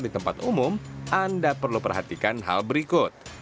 di tempat umum anda perlu perhatikan hal berikut